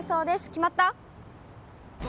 決まった？